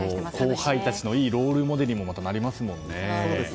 後輩たちのいいロールモデルにもなりますよね。